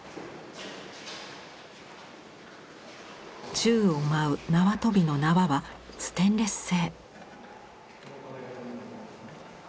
宙を舞う縄跳びの縄はステンレス製。